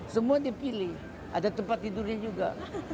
semua dia pilih ada tempat tidurnya juga